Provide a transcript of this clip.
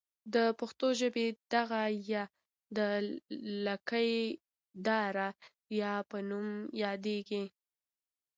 د پښتو ژبې دغه ۍ د لکۍ داره یا په نوم یادیږي.